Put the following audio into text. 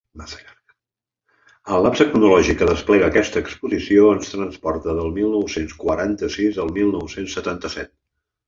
El lapse cronològic que desplega aquesta exposició ens transporta del mil nou-cents quaranta-sis al mil nou-cents setanta-set.